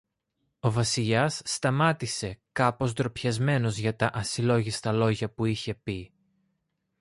Ο Βασιλιάς σταμάτησε, κάπως ντροπιασμένος για τα ασυλλόγιστα λόγια που είχε πει.